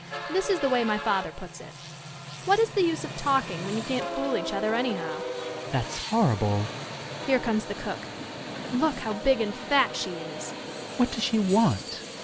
This is the way my father puts it: ''What is the use of talk ing, when you can't fool each other anyhow?*^ Student. That's horrible Young Lady. Here comes the Cook. ... Look ! how big and fat she is ! Student. What does she want?